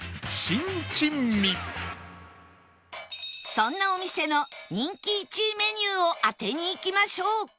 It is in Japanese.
そんなお店の人気１位メニューを当てにいきましょう